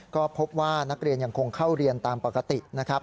ก็พบว่านักเรียนยังคงเข้าเรียนตามปกตินะครับ